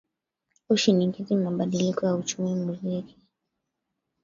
ushinikiza mabadiliko ya uchumi muziki